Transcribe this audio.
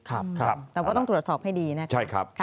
เราก็ต้องตรวจสอบให้ดีนะครับ